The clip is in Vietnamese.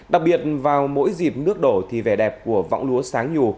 đặc biệt vào mỗi dịp nước đổ thì vẻ đẹp của võng lúa sáng nhù